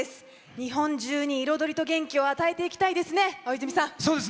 日本中に彩りと元気を与えていきたいですね、大泉さん。